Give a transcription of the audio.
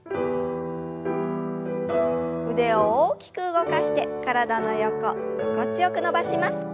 腕を大きく動かして体の横心地よく伸ばします。